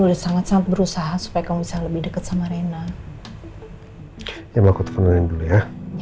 udah sangat sangat berusaha supaya kamu bisa lebih deket sama rena ya mau aku telfonin dulu ya